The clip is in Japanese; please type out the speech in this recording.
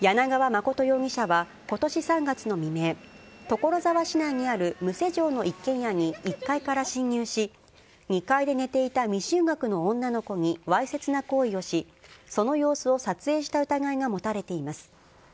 実容疑者はことし３月の未明、所沢市内にある無施錠の一軒家に１階から侵入し、２階で寝ていた未就学の女の子にわいせつな行為をし、その様子を撮影した疑いが持たれています。